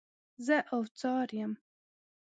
زه اوڅار یم.